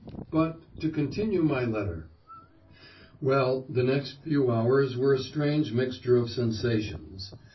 But to continue my letter: "Well, the next few hours were a strange mixture of sensations.